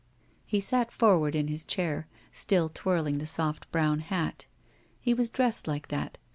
He sat forward in his chair, still twirling the soft brown hat. He was dressed like that.